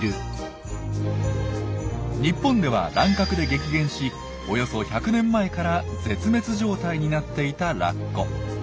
日本では乱獲で激減しおよそ１００年前から絶滅状態になっていたラッコ。